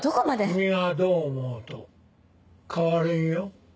君がどう思おうと変われんよ。